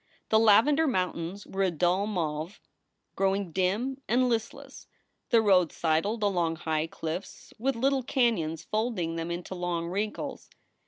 The 278 SOULS FOR SALE lavender mountains were a dull mauve, growing dim and listless. The road sidled along high cliffs with little canons folding them into long wrinkles.